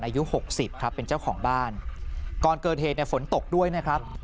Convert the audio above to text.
อายุหกสิบครับเป็นเจ้าของบ้านก่อนเกิดเหตุเนี่ยฝนตกด้วยนะครับ